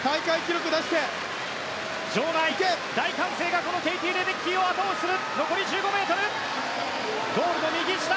場内、大歓声がケイティ・レデッキーを後押しする。